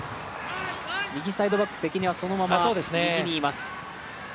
右サイドバック関根はそのまま右にいます。